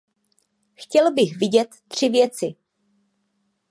Chtěl bych vidět tři věci.